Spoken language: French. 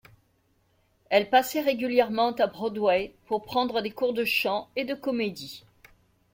Elle passait régulièrement à Broadway pour prendre des cours de chant et de comédie.